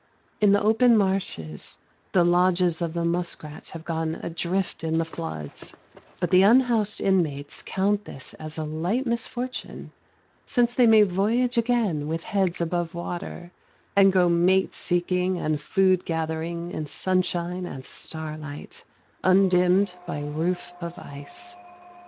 In the open marshes the lodges of the muskrats have gone adrift in the floods; but the unhoused inmates count this a light misfortune, since they may voyage again with heads above water, and go mate seeking and food gathering in sunshine and starlight, undimmed by roof of ice.